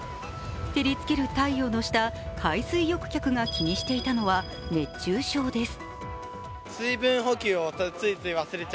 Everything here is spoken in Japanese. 照りつける太陽の下、海水浴客が気にしていたのは熱中症です。